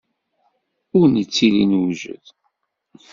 Ur nettili newjed.